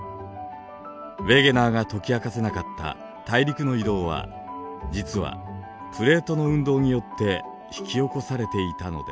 ウェゲナーが解き明かせなかった大陸の移動は実はプレートの運動によって引き起こされていたのです。